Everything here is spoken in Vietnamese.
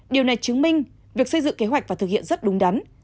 điều này chứng minh việc xây dựng kế hoạch và thực hiện rất đúng đắn